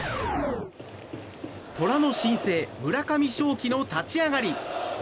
トラの新星村上頌樹の立ち上がり。